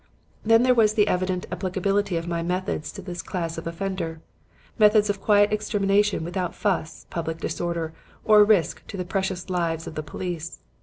Then there was the evident applicability of my methods to this class of offender; methods of quiet extermination without fuss, public disorder or risk to the precious lives of the police.